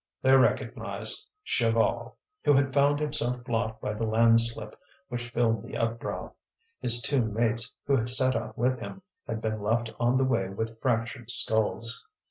They recognized Chaval, who had found himself blocked by the landslip which filled the upbrow; his two mates who had set out with him had been left on the way with fractured skulls.